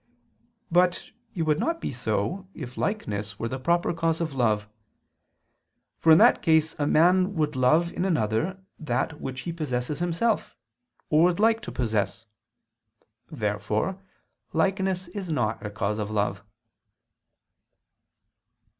But it would not be so, if likeness were the proper cause of love; for in that case a man would love in another, that which he possesses himself, or would like to possess. Therefore likeness is not a cause of love.